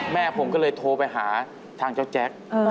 แม่ผมก็เลยโทรไปหาทางเจ้าแจ๊ค